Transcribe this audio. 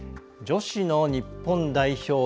女子の日本代表